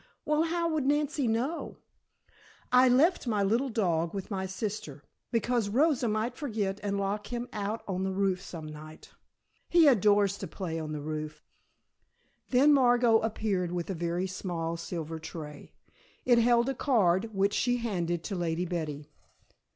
"Well, how would Nancy know " "I left my little dog with my sister, because Rosa might forget and lock him out on the roof some night. He adores to play on the roof " Then Margot appeared with a very small silver tray. It held a card which she handed to Lady Betty.